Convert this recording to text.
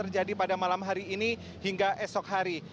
jadi pada malam hari ini hingga esok hari